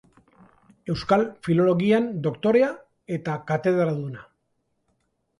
Euskal Filologian doktorea eta katedraduna.